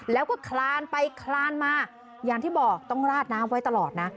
แล้วก็คลานไปคลานมาอย่างที่บอกต้องราดน้ำไว้ตลอดนะ